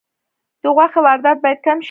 د غوښې واردات باید کم شي